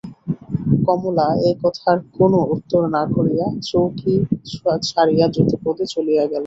কমলা এ কথার কোনো উত্তর না করিয়া চৌকি ছাড়িয়া দ্রুতপদে চলিয়া গেল।